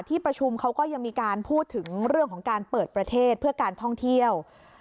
ที่ประชุมเขาก็ยังมีการพูดถึงเรื่องของการเปิดประเทศเพื่อการท่องเที่ยว